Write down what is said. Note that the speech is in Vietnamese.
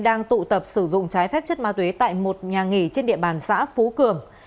đang tụ tập sử dụng trái phép chất ma túy tại một nhà nghỉ trên địa bàn xã phú cường